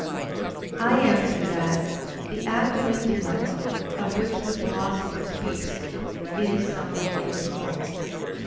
I answer that, The active intellect, of which the Philosopher speaks, is something in the soul.